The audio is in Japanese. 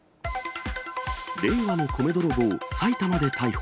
令和の米泥棒、埼玉で逮捕。